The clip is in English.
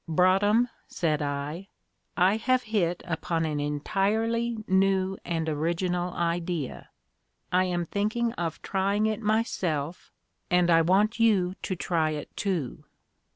"Broadhem," said I, "I have hit upon an entirely new and original idea. I am thinking of trying it myself, and I want you to try it too."